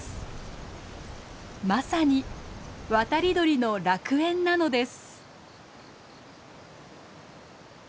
まさに渡り鳥の楽園なのです。